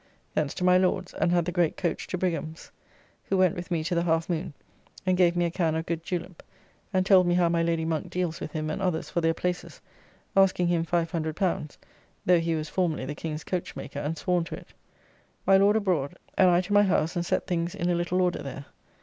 Thence to my Lord's, and had the great coach to Brigham's, who went with me to the Half Moon, and gave me a can of good julep, and told me how my Lady Monk deals with him and others for their places, asking him L500, though he was formerly the King's coach maker, and sworn to it. My Lord abroad, and I to my house and set things in a little order there.